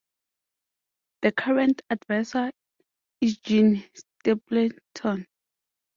The current adviser is Jean Stapleton.